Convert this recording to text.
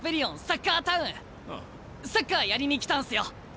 サッカーやりに来たんすよ。